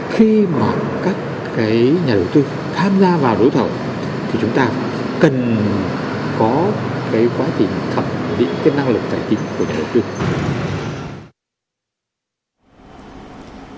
khi mà các cái nhà đầu tư tham gia vào đấu thầu thì chúng ta cần có cái quá trình thẩm định cái năng lực tài chính của nhà đầu tư